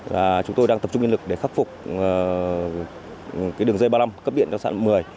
và chúng tôi đang tập trung nhân lực để khắc phục đường dây ba mươi năm cấp điện cho sản lượng một mươi